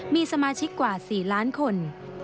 มีสมาชิกกว่า๔ล้านคน